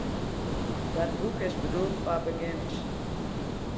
Dat boek is bedoeld foar begjinners.